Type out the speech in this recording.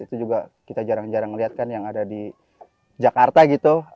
itu juga kita jarang jarang lihat kan yang ada di jakarta gitu